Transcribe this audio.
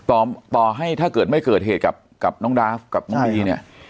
ต่อต่อให้ถ้าเกิดไม่เกิดเหตุกับน้องดาฟกับน้องบีเนี่ย